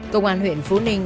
công an huyện phố ninh